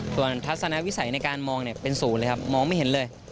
ส่วนทัศนวิสัยในการมองเป็นศูนย์เลยครับมองไม่เห็นเลย